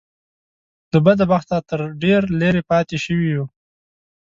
له بده بخته ته ترې ډېر لرې پاتې شوی يې .